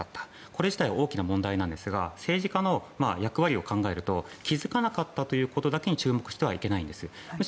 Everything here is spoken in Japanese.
これ自体が大きな問題ですが政治家の役割を考えると気付かなかったということだけに注目してはいけないんです。